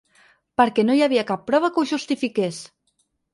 Perquè no hi havia cap prova que ho justifiqués.